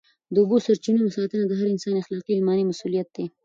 د اوبو د سرچینو ساتنه د هر انسان اخلاقي او ایماني مسؤلیت دی.